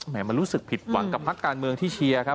มันรู้สึกผิดหวังกับพักการเมืองที่เชียร์ครับ